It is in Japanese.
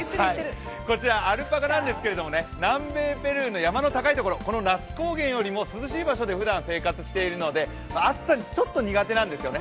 こちら、アルパカなんですけれども南米ペルーの高いところこの那須高原よりも涼しいところで生活しているので暑さがちょっと苦手なんですよね。